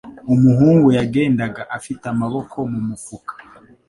Umuhungu yagendaga afite amaboko mu mufuka.